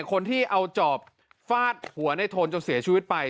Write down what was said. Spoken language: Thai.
คนที่เอาจอบฟาดหัวในโทนจนเสียชีวิตไป